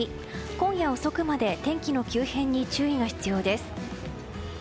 今夜遅くまで天気の急変に注意が必要です。